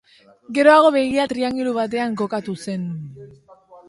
Geroago begia triangelu batean kokatu zen.